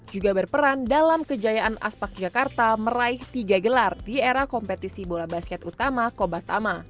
juga berperan dalam kejayaan aspak jakarta meraih tiga gelar di era kompetisi bola basket utama kobatama